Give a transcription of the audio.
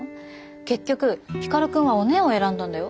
結局光くんはおねぇを選んだんだよ。